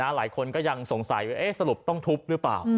หลายคนก็ยังสงสัยว่าสรุปต้องทุบหรือเปล่า